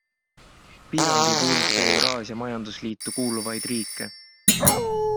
Piirang ei puuduta Euraasia majandusliitu kuuluvaid riike.